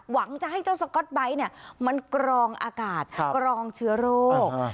หวังจะให้เจ้าสก๊อตไบท์มันกรองอากาศกรองเชื้อโรค